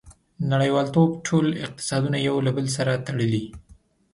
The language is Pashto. • نړیوالتوب ټول اقتصادونه یو له بل سره تړلي.